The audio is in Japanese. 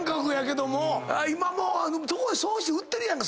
どこもそうして売ってるやんか。